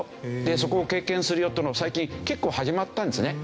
そこを経験するよっていうのを最近結構始まったんですね。